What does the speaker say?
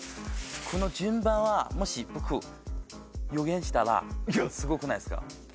この順番もし僕予言したらすごくないですか？